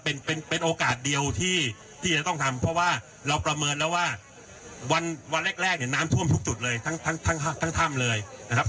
เป็นโอกาสเดียวที่จะต้องทำเพราะว่าเราประเมินแล้วว่าวันแรกน้ำท่วมทุกจุดเลยทั้งถ้ำเลยนะครับ